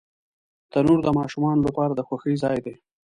تنور د ماشومانو لپاره د خوښۍ ځای دی